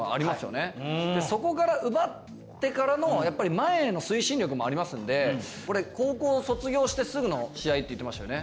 そこから奪ってからのやっぱり前への推進力もありますんでこれ高校を卒業してすぐの試合って言ってましたよね。